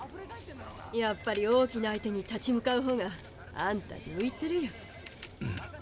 やっぱり大きな相手に立ち向かうほうがあんたに向いてるよ。